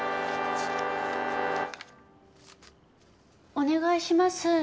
お願いします